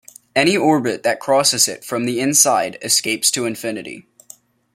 Any orbit that crosses it from the inside escapes to infinity.